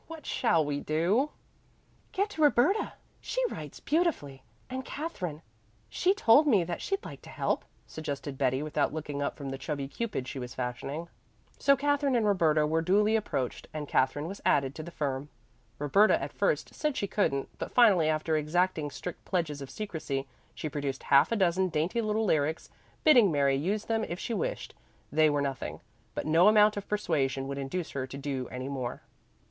What shall we do?" "Get Roberta she writes beautifully and Katherine she told me that she'd like to help," suggested Betty, without looking up from the chubby cupid she was fashioning. So Katherine and Roberta were duly approached and Katherine was added to the firm. Roberta at first said she couldn't, but finally, after exacting strict pledges of secrecy, she produced half a dozen dainty little lyrics, bidding Mary use them if she wished they were nothing. But no amount of persuasion would induce her to do any more.